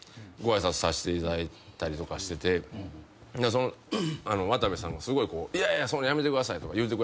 ご挨拶さしていただいたりとかしてて渡部さんもすごい「そんなやめてください」とか。